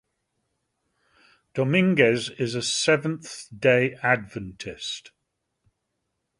Dominguez is a Seventh-day Adventist.